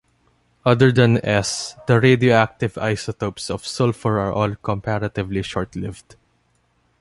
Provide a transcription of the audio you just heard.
Other than S, the radioactive isotopes of sulfur are all comparatively short-lived.